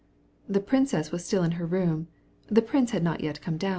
The princess was still in her room, and the prince had not come in.